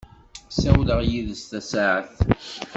Ssawleɣ yid-s tasaɛet.